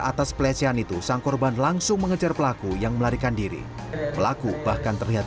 atas pelecehan itu sang korban langsung mengejar pelaku yang melarikan diri pelaku bahkan terlihat